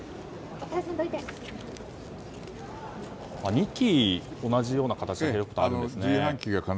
２機、同じような形のものがあるんですね。